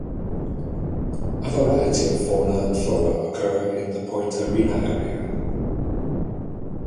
A variety of fauna and flora occur in the Point Arena area.